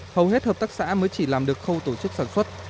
hầu hết hợp tác xã mới chỉ làm được khâu tổ chức sản xuất